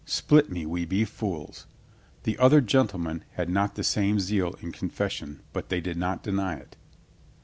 Split me, we be fools." The other gentlemen had not the same zeal in con fession, but they did not deny it.